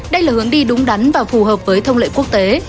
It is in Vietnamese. đây là hướng đi đúng đắn và phù hợp với thông lệ quốc tế